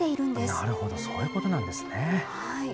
なるほど、そういうことなんですね。